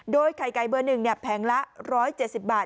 โดยไข่ไก่เบอร์หนึ่งเนี่ยแพงละร้อยเจ็ดสิบบาท